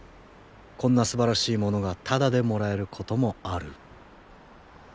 こんなすばらしいものがタダでもらえることもある。